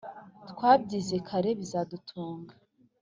twabyize kare bizadutunga!”